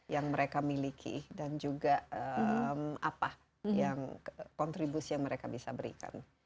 yang mereka miliki dan juga apa yang kontribusi yang mereka bisa berikan